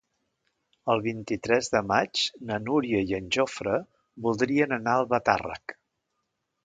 El vint-i-tres de maig na Núria i en Jofre voldrien anar a Albatàrrec.